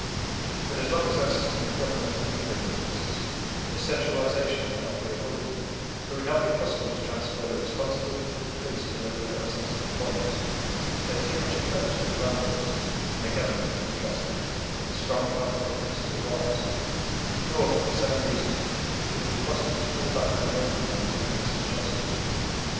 But as long as our system of government from England exists, this centralization cannot be avoided, for it would not be possible to transfer the responsibility of the police to local representative bodies, as they are too much opposed to the landlords and the Government to be trusted when strong party differences arise; nor, for the same reason, would it be possible to fall back on local men to administer justice.